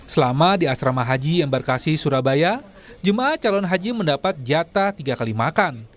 selama di asrama haji embarkasi surabaya jemaah calon haji mendapat jatah tiga kali makan